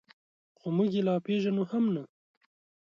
خو موږ یې لا پېژنو هم نه.